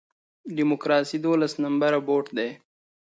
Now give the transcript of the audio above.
ډیموکراسي دولس نمره بوټ دی.